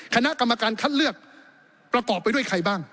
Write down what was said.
คณะกรรมการคัดเลือกประกอบไปด้วยใครบ้าง